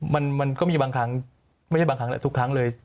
มันก็มีบางครั้งไม่ใช่บางครั้งแล้วทุกครั้งเลย